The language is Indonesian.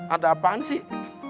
ada apaan sih